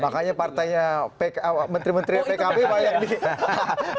makanya partainya menteri menterinya pkb banyak nih